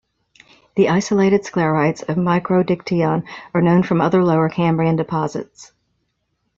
The isolated sclerites of "Microdictyon" are known from other Lower Cambrian deposits.